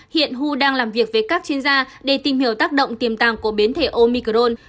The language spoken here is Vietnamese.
hiện hu đang làm việc với các chuyên gia để tìm hiểu tác động tiềm tàng của biến thể omicron